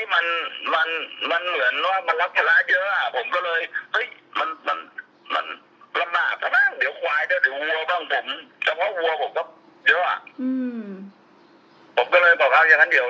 ผมสำหรับวัวผมก็เยอะอ่ะอืมผมก็เลยบอกเขาอย่างงั้นเดี๋ยว